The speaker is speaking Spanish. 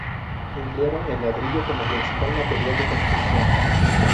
Emplearon el ladrillo como principal material de construcción.